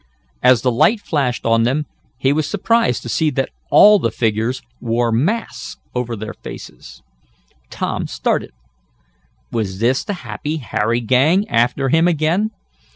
As the light flashed on them he was surprised to see that all the figures wore masks over their faces. Tom started. Was this the Happy Harry gang after him again?